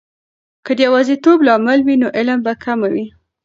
که د یواځیتوب لامل وي، نو علم به کمه وي.